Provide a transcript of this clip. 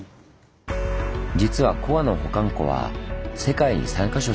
実はコアの保管庫は世界に３か所しかありません。